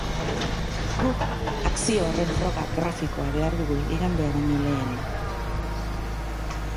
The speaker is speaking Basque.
Guk akzio horren froga grafikoa behar dugu igandea baino lehen.